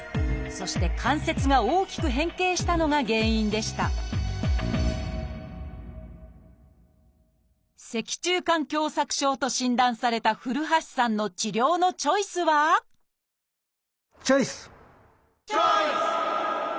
そして関節が大きく変形したのが原因でした「脊柱管狭窄症」と診断された古橋さんの治療のチョイスはチョイス！